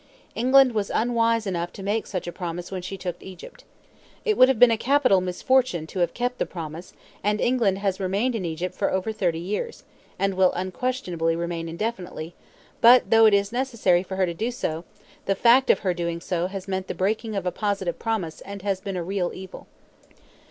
England was unwise enough to make such a promise when she took Egypt. It would have been a capital misfortune to have kept the promise, and England has remained in Egypt for over thirty years, and will unquestionably remain indefinitely; but though it is necessary for her to do so, the fact of her doing so has meant the breaking of a positive promise and has been a real evil.